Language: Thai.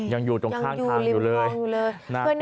ยังอยู่ตรงข้างทางอยู่เลยน่ากล้วงเหมือนกัน